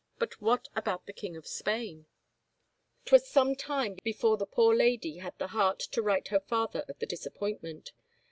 But what about the king of Spain ?"" 'Twas some time before the poor lady had the heart to write her father of the disappointment.